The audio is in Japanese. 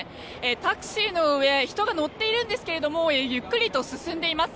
タクシーの上人が乗っているんですけれどもゆっくりと進んでいます。